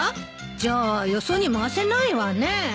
じゃあよそに回せないわね。